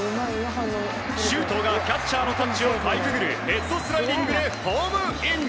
周東がキャッチャーのタッチをかいくぐるヘッドスライディングでホームイン。